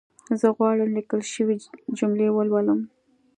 زه غواړم ليکل شوې جملي ولولم